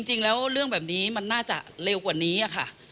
จริงแล้วเรื่องแบบนี้มันน่าจะเร็วกว่านี้ค่ะ